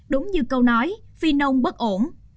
đúng như câu nói phi nông bất ổn